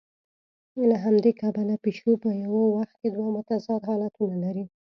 له همدې کبله پیشو په یوه وخت کې دوه متضاد حالتونه لري.